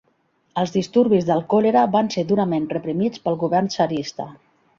Els disturbis del còlera van ser durament reprimits pel govern tsarista.